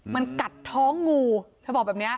มันกัดท้องงูเธอบอกแบบนี้